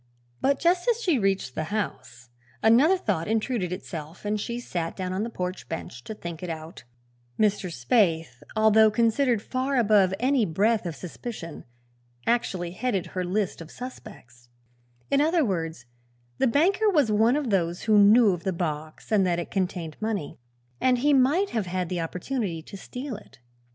But just as she reached the house another thought intruded itself and she sat down on the porch bench to think it out. Mr. Spaythe, although considered far above any breath of suspicion, actually headed her list of suspects. In other words, the banker was one of those who knew of the box and that it contained money, and he might have had the opportunity to steal it.